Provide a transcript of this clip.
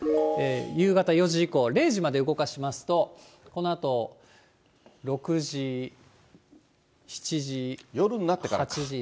夕方４時以降、０時まで動かしますと、このあと６時、７時、８時。